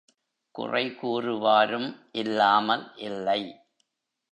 குறை கூறுவாரும் இல்லாமல் இல்லை.